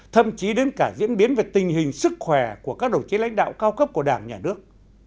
thậm chí đến cả diễn biến về tình hình sức khỏe của các đồng chí lãnh đạo cao cấp của đảng nhà nước